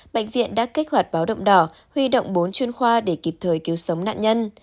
bệnh viện đã kích hoạt báo động đỏ huy động bốn chuyên khoa để kịp thời cứu sống nạn nhân